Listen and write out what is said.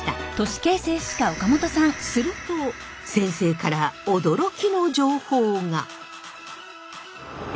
すると先生から驚きの情報が！